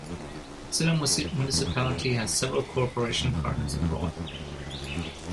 Ludza municipality has several cooperation partners abroad.